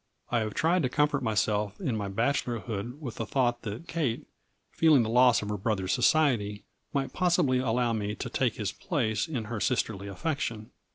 I have tried to comfort myself in my bachelor hood with the thought that Kate, feeling the loss of her brother's society, might possibly allow me to take his place in her sisterly affection.